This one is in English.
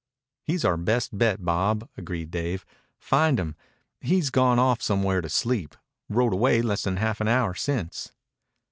"He's our best bet, Bob," agreed Dave. "Find him. He's gone off somewhere to sleep. Rode away less than half an hour since."